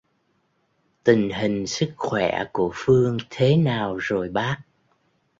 Tình hình sức khỏe của Phương thế nào rôì bác